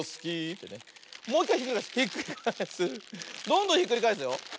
どんどんひっくりがえすよ。